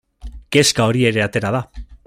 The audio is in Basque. Kezka hori ere atera da.